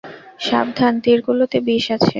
সাবধান, তীরগুলোতে বিষ আছে।